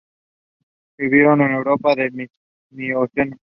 Vivieron en Europa en el Mioceno.